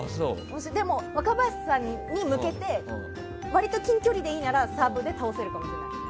でも、若林さんに向けて割と近距離でいいならサーブで倒せると思います。